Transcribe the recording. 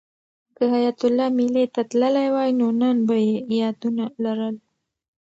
که حیات الله مېلې ته تللی وای نو نن به یې یادونه لرل.